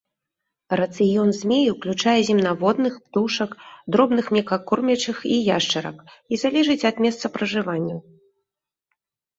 Рацыён змей уключае земнаводных, птушак, дробных млекакормячых і яшчарак, і залежыць ад месцапражыванняў.